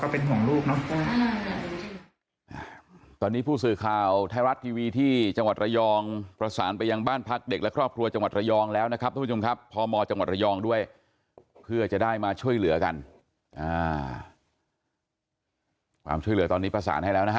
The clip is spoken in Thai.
เพราะว่าเราก็เป็นห่วงลูกเนอะ